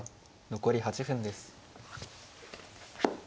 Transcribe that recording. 残り８分です。